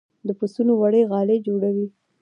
د پسونو وړۍ غالۍ جوړوي